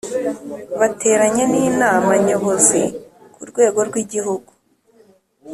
bateranye n inama Nyobozi ku rwego rw Igihugu